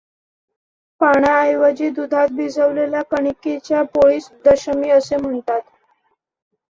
पाण्या ऎवजी दुधात भिजवलेल्या कणिकेच्या पोळीस दशमी असे म्हणतात.